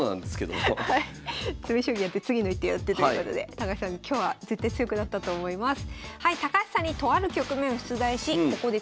詰将棋やって次の一手やってということで高橋さん今日は絶対強くなったと思います。